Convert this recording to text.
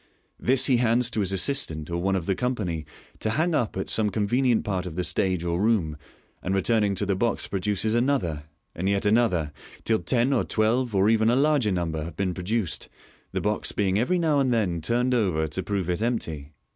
This he hands to his assistant or one of the company to hang up at some convenient part of the stage or room, and returning to the box produces another, and yet another, till ten or twelve, or even a larger number, have been produced, the box being every now and then turned over to prove it empty.